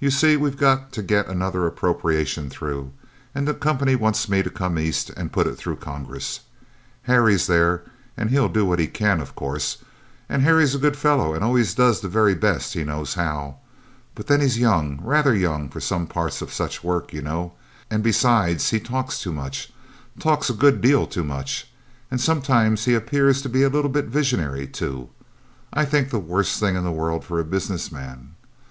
You see we've got to get another appropriation through, and the Company want me to come east and put it through Congress. Harry's there, and he'll do what he can, of course; and Harry's a good fellow and always does the very best he knows how, but then he's young rather young for some parts of such work, you know and besides he talks too much, talks a good deal too much; and sometimes he appears to be a little bit visionary, too, I think the worst thing in the world for a business man.